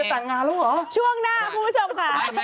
ช่วงหน้าคุณผู้ชมค่ะ